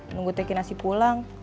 nunggu teki nasi pulang